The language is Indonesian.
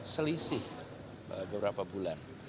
selisih beberapa bulan